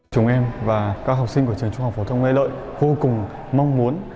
chúng em và các học sinh của trường trung học phổ thông lê lợi vô cùng mong muốn